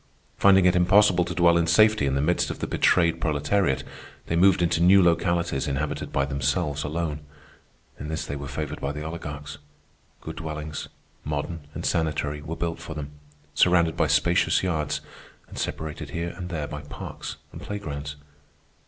Finding it impossible to dwell in safety in the midst of the betrayed proletariat, they moved into new localities inhabited by themselves alone. In this they were favored by the oligarchs. Good dwellings, modern and sanitary, were built for them, surrounded by spacious yards, and separated here and there by parks and playgrounds.